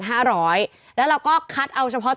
อ่าอ่าอ่าอ่าอ่าอ่า